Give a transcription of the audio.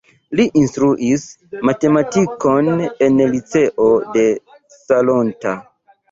Li instruis matematikon en liceo de Salonta.